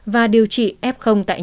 và điều trị f